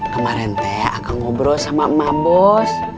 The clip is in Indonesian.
kemaren teh akan ngobrol sama emak bos